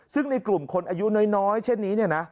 ซึ่งในกลุ่มคนอายุน้อยเช่นนี้